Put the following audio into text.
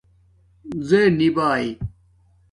زیر نی بای